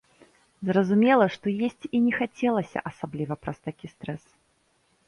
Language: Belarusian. Зразумела, што есці і не хацелася асабліва праз такі стрэс.